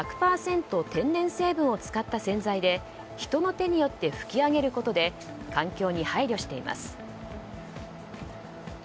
天然成分を使った洗剤で人の手によって拭き上げることで環境に配慮しています。